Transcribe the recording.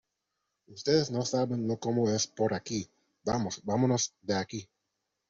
¡ Ustedes no saben lo como es por aquí! Vamos, vámonos de aquí.